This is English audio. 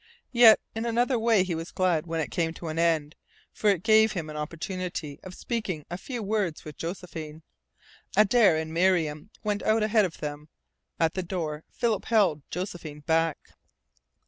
Yet in another way he was glad when it came to an end, for it gave him an opportunity of speaking a few words with Josephine. Adare and Miriam went out ahead of them. At the door Philip held Josephine back.